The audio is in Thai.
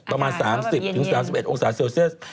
ประมาณ๓๐๓๑องศาเซลเซียส